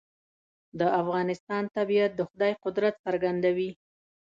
د افغانستان طبیعت د خدای قدرت څرګندوي.